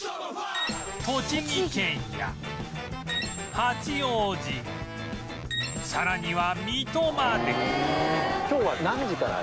栃木県や八王子さらには水戸まで